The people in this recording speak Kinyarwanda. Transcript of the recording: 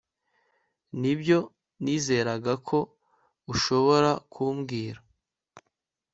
Nibyo nizeraga ko ushobora kumbwira